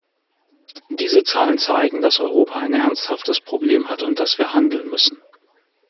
Diese Zahlen zeigen, dass Europa ein ernsthaftes Problem hat und dass wir handeln müssen.